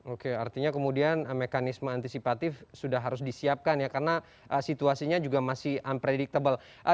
oke artinya kemudian mekanisme antisipatif sudah harus disiapkan ya karena situasinya juga masih unpredictable